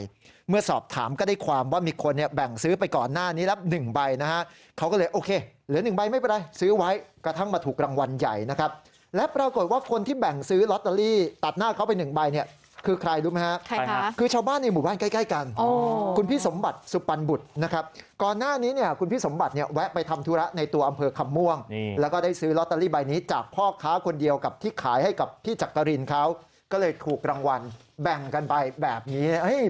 โอเคเหลือ๑ใบไม่เป็นไรซื้อไว้กระทั่งมาถูกรางวัลใหญ่นะครับและปรากฏว่าคนที่แบ่งซื้อลอตเตอรี่ตัดหน้าเขาไป๑ใบเนี่ยคือใครรู้ไหมฮะคือชาวบ้านในหมู่บ้านใกล้กันคุณพี่สมบัติสุปันบุตรนะครับก่อนหน้านี้เนี่ยคุณพี่สมบัติเนี่ยแวะไปทำธุระในตัวอำเภอคำม่วงแล้วก็ได้ซื้อลอตเตอรี่ใ